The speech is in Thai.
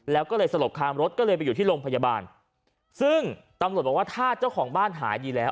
แล้วก็เลยสลบคามรถก็เลยไปอยู่ที่โรงพยาบาลซึ่งตำรวจบอกว่าถ้าเจ้าของบ้านหายดีแล้ว